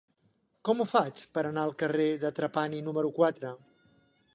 Com ho faig per anar al carrer de Trapani número quatre?